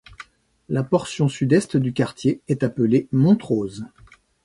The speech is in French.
La portion sud-est du quartier est appelé Montrose.